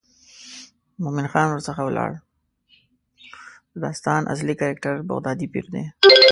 د داستان اصلي کرکټر بغدادي پیر دی.